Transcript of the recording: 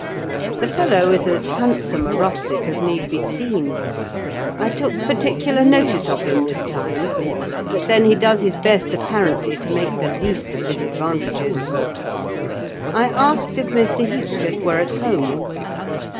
The fellow is as handsome a rustic as need be seen. I took particular notice of him this time; but then he does his best apparently to make the least of his advantages. I asked if Mr. Heathcliff were at home?